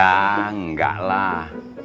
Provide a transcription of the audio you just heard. ya enggak lah